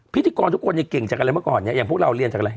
พิธีกรทุกคนเนี่ยเก่งจากอะไรเมื่อก่อนเนี่ยอย่างพวกเราเรียนจากอะไร